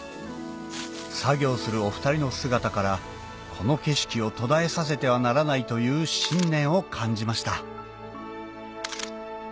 作業するお二人の姿からこの景色を途絶えさせてはならないという信念を感じました